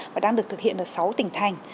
và đang được thực hiện ở sáu tỉnh thành